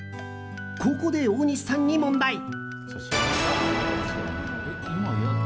ここで大西さんに問題。